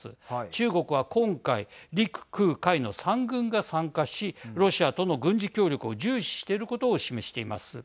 中国は今回陸、空、海の３軍が参加しロシアとの軍事協力を重視していることを示しています。